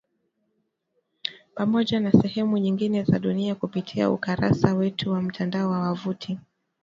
Pamoja na sehemu nyingine za dunia kupitia ukurasa wetu wa mtandao wa wavuti